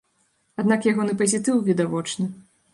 Аднак ягоны пазітыў відавочны.